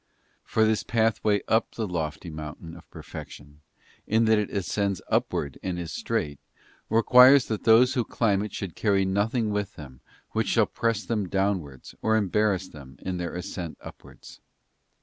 For this pathway up the lofty moun tain of perfection, in that it ascends upwards and is strait, requires that those who climb it should carry nothing with them which shall press them downwards, or embarrass them in their ascent upwards.